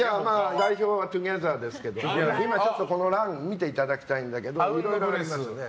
代表はトゥギャザーですけど今ちょっと、この欄を見ていただきたいんだけどいろいろありますね。